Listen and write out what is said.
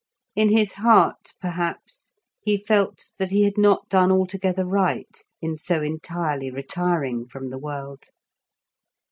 In his heart, perhaps, he felt that he had not done altogether right in so entirely retiring from the world.